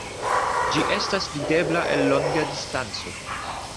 Ĝi estas videbla el longa distanco.